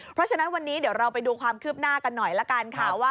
เพราะฉะนั้นวันนี้เดี๋ยวเราไปดูความคืบหน้ากันหน่อยละกันค่ะว่า